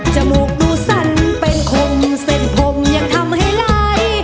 มูกดูสั่นเป็นคมเส้นผมยังทำให้ไหล